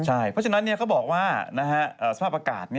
เพราะฉะนั้นเขาบอกว่าสภาพอากาศ